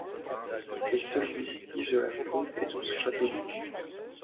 Le seul vestige de la fosse est son château d'eau.